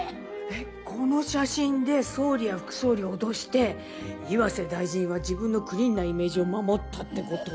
えっこの写真で総理や副総理を脅して岩瀬大臣は自分のクリーンなイメージを守ったって事？